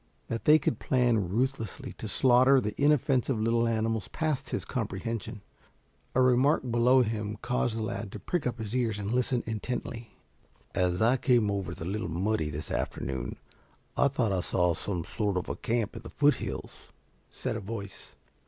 That they could plan ruthlessly to slaughter the inoffensive little animals passed his comprehension. A remark below him caused the lad to prick up his ears and listen intently. "As I came over the Little Muddy this afternoon, I thought I saw some sort of a camp in the foothills," said a voice.